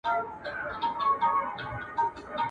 اوبه د سره خړي دي.